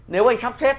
nếu anh sắp xếp